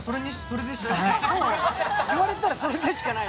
言われたらそれでしかない。